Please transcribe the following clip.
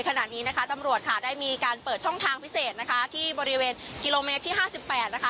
ตรงนี้นะคะได้มีการเปิดช่องทางที่บริเวณที่๕๘นะคะ